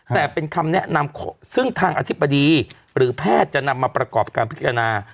แต่เป็นคำแนะนำซึ่งทางอธิบดีหรือแพทย์จะนำมาประกอบการพิจารณา